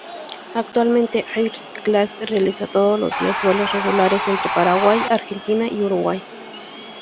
Actualmente "Air Class" realiza todos los días vuelos regulares entre Paraguay, Argentina y Uruguay.